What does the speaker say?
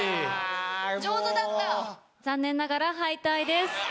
・上手だった・残念ながら敗退です。